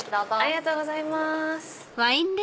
ありがとうございます。